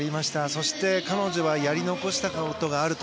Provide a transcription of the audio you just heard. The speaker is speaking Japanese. そして、彼女はやり残したことがあると。